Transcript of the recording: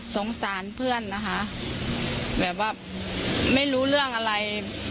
สงสารเพื่อนนะคะแบบว่าไม่รู้เรื่องอะไร